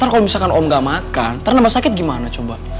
kalau misalkan om gak makan ntar nambah sakit gimana coba